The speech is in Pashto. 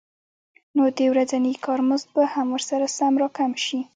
نو د ورځني کار مزد به هم ورسره سم راکم شي